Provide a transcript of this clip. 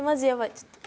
ちょっと。